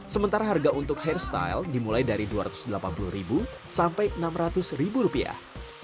sementara harga untuk hairstyle dimulai dari dua ratus delapan puluh sampai enam ratus rupiah